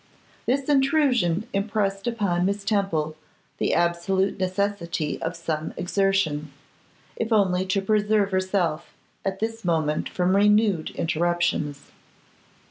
This intrusion impressed upon Miss Temple the absolute necessity of some exertion, if only to preserve herself at this moment from renewed interruptions.